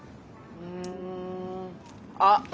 うんあっ